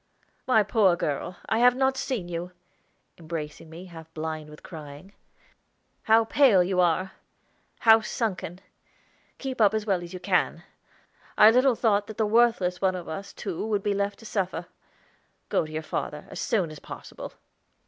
"My poor girl, I have not seen you," embracing me, half blind with crying, "How pale you are! How sunken! Keep up as well as you can. I little thought that the worthless one of us two would be left to suffer. Go to your father, as soon as possible."